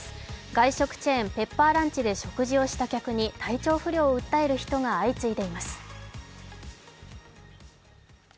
外食チェーン、ペッパーランチで食事をした人に体調不良を訴える人が相次いでいます。